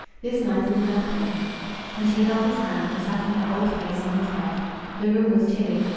This night is nothing." And she held his hand and sat in her old place on his bed. The room was chilly.